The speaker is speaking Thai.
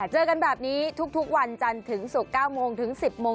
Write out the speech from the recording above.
เจอกันแบบนี้ทุกวันจันทร์ถึงศุกร์๙โมงถึง๑๐โมง